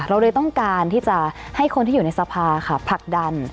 เราเลยต้องการที่จะให้คนที่อยู่ในสภาค่ะผลักดัน